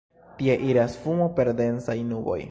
Tie iras fumo per densaj nuboj.